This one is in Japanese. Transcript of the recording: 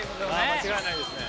間違いないですね。